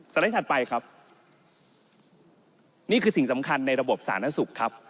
ไลด์ถัดไปครับนี่คือสิ่งสำคัญในระบบสาธารณสุขครับ